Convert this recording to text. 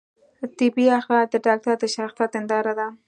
طبي اخلاق د ډاکتر د شخصیت هنداره ده.